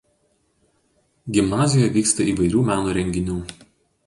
Gimnazijoje vyksta įvairių meno renginių.